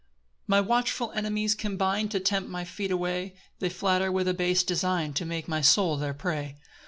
6 My watchful enemies combine To tempt my feet astray; They flatter with a base design To make my soul their prey.